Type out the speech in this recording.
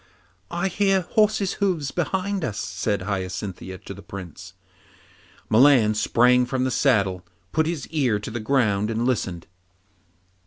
'I hear horses' hoofs behind us,' said Hyacinthia to the Prince. Milan sprang from the saddle, put his ear to the ground and listened.